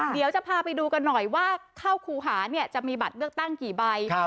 เดี๋ยวจะพาไปดูกันหน่อยว่าเข้าครูหาเนี่ยจะมีบัตรเลือกตั้งกี่ใบ